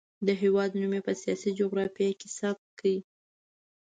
د هېواد نوم یې په سیاسي جغرافیه کې ثبت کړ.